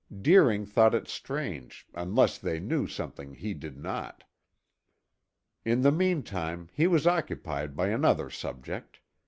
Deering thought it strange, unless they knew something he did not. In the meantime, he was occupied by another subject.